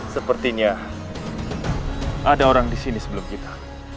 sepertinya ada orang di sini sebelum kita